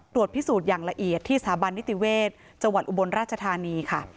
ตรวจพิสูจน์อย่างละเอียดที่สถาบันนิติเวศจังหวัดอุบลราชธานีค่ะ